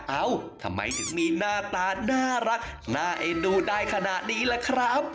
เอ้าทำไมถึงมีหน้าตาน่ารักน่าเอ็นดูได้ขนาดนี้ล่ะครับ